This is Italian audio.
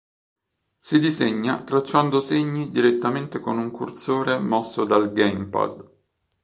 Si disegna tracciando segni direttamente con un cursore mosso dal gamepad.